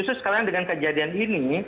justru sekarang dengan kejadian ini